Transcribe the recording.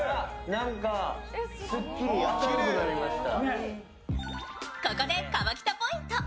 なんかすっきり明るくなりました。